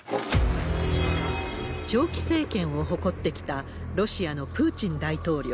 長期政権を誇ってきたロシアのプーチン大統領。